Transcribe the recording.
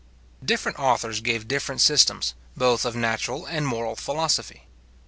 Different authors gave different systems, both of natural and moral philosophy.